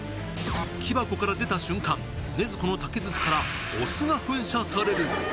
木箱から出た瞬間、禰豆子の竹筒からお酢が噴射される。